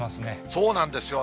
そうなんですよ。